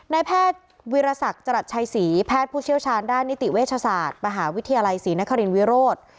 นายแพทย์วิรสักจรัสชัยศรีแพทย์ผู้เชี่ยวชาญด้านนิติเวชศาสตร์มหาวิทยาลัยศรีนครินวิโรธ